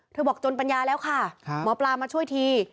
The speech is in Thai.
บอกจนปัญญาแล้วค่ะหมอปลามาช่วยที